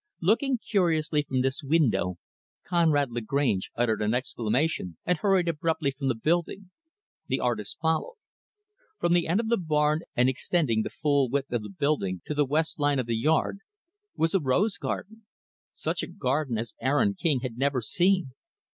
Looking curiously from this window, Conrad Lagrange uttered an exclamation, and hurried abruptly from the building. The artist followed. From the end of the barn, and extending, the full width of the building, to the west line of the yard, was a rose garden such a garden as Aaron King had never seen.